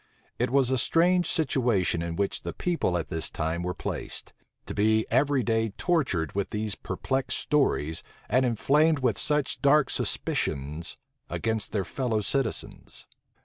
It was a strange situation in which the people at this time were placed; to be every day tortured with these perplexed stories, and inflamed with such dark suspicions against their fellow citizens.